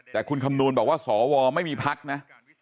แต่คุณคำนวณบอกว่าสวไม่มีพักนะ